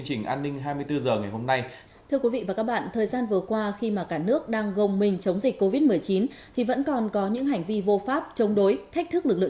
xin chào và hẹn gặp lại các bạn trong những video tiếp theo